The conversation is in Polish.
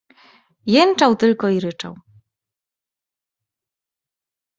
"Jęczał tylko i ryczał."